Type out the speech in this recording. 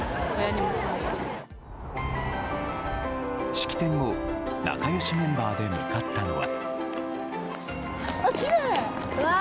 式典後、仲良しメンバーで向かったのは。